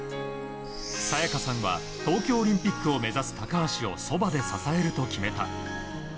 早耶架さんは東京オリンピックを目指す高橋をそばで支えると決めた。